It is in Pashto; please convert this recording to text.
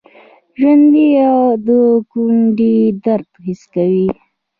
ژوندي د کونډې درد حس کوي